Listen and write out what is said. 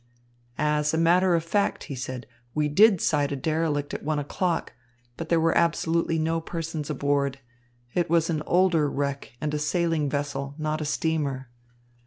"As a matter of fact," he said, "we did sight a derelict at one o'clock, but there were absolutely no persons aboard. It was an older wreck and a sailing vessel, not a steamer."